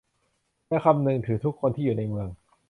และคำนึงถึงทุกคนที่อยู่ในเมือง